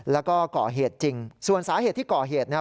แล้วก็ก่อเหตุจริงส่วนสาเหตุที่ก่อเหตุนะครับ